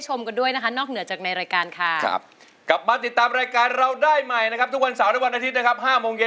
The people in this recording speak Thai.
ช่อง๓๒แห่งนี้นะครับวันนี้ขอลาไปก่อนครับสวัสดีครับ